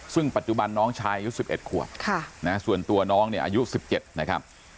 ซึ่งปัจจุบันน้องชายอายุ๑๑ขวบส่วนตัวน้องเนี่ยอายุ๑๗นะครับ